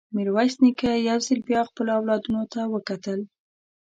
ميرويس نيکه يو ځل بيا خپلو اولادونو ته وکتل.